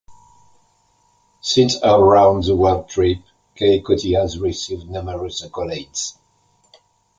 Since her round the world trip, Kay Cottee has received numerous accolades.